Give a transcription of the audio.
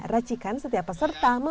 racikan setiap peserta